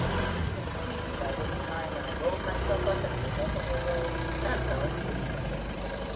I was sleepy by this time and I rolled myself up in my buffalo robe and fell asleep.